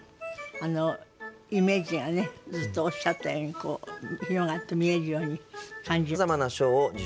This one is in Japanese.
あのイメージがねずっとおっしゃったようにこう広がって見えるように感じました。